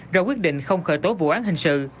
rồi quyết định không khởi tố vụ án hình sự